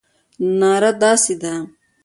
ناره داسې ده.